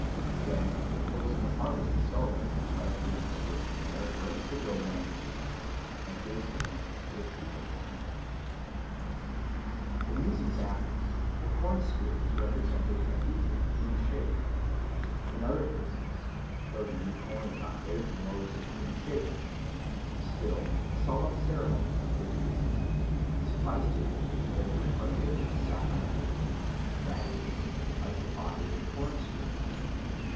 Then the close of the harvest is celebrated by a feast at which the mayor breaks the dough man in pieces and gives the pieces to the people to eat. In these examples the corn spirit is represented and eaten in human shape. In other cases, though the new corn is not baked in loaves of human shape, still the solemn ceremonies with which it is eaten suffice to indicate that it is partaken of sacramentally, that is, as the body of the corn spirit.